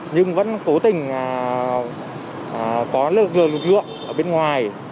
nhưng vẫn cố tình có lực lượng ở bên ngoài